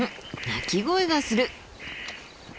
鳴き声がする。